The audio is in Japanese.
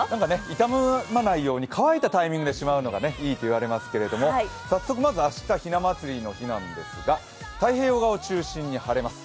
傷まないように乾いたタイミングでしまうのがいいと言われますけど、早速まず明日、ひな祭りの日なんですが、太平洋側を中心に晴れます。